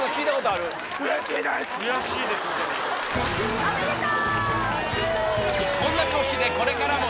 おめでとう！